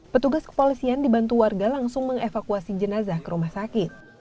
petugas kepolisian dibantu warga langsung mengevakuasi jenazah ke rumah sakit